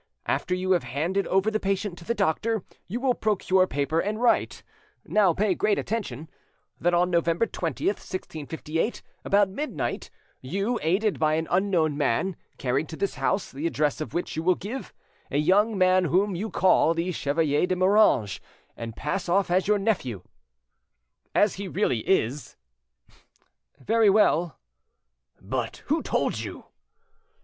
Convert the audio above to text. After you have handed over the patient to the doctor, you will procure paper and write— now pay great attention—that on November 20th, 1658, about midnight, you, aided by an unknown man, carried to this house, the address of which you will give, a young man whom you call the Chevalier de Moranges, and pass off as your nephew—" "As he really is." "Very well." "But who told you—?"